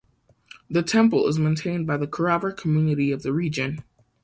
The temple is maintained by the Kuravar community of the region.